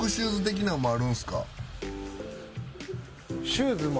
シューズも？